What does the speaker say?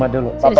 masih pagi kan